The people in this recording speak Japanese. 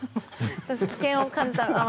危険を感じたら。